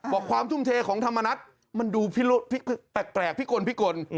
บอกความทุ่มเทของธรรมนัฐมันดูแปลกภิกล